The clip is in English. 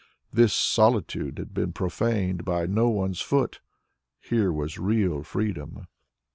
This solitude had been profaned by no one's foot; here was real freedom.